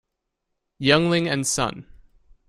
Yuengling and Son.